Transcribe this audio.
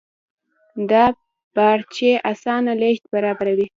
دا بارچي اسانه لېږد برابروي.